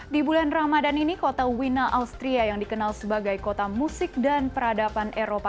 di bulan ramadan ini kota wina austria yang dikenal sebagai kota musik dan peradaban eropa